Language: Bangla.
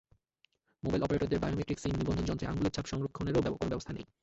মোবাইল অপারেটরদের বায়োমেট্রিক সিম নিবন্ধন যন্ত্রে আঙুলের ছাপ সংরক্ষণেরও কোনো ব্যবস্থা নেই।